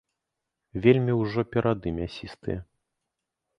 Вельмі ўжо перады мясістыя.